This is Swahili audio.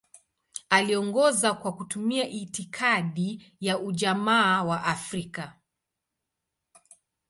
Aliongoza kwa kutumia itikadi ya Ujamaa wa Afrika.